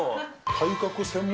体格専門。